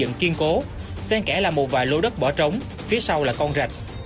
và một số căn nhà được xây dựng bằng cố sang kẽ là một vài lô đất bỏ trống phía sau là con rạch